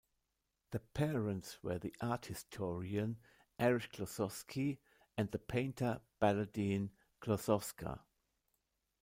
Their parents were the art historian Erich Klossowski and the painter Baladine Klossowska.